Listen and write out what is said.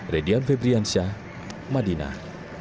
rediam febriansyah madinah